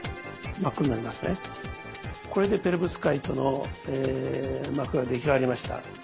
これでペロブスカイトの膜が出来上がりました。